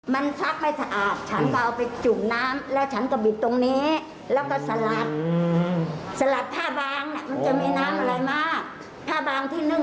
วางไว้ไว้ตรงนี้แกก็ด่าแกก็เดินไปนู้น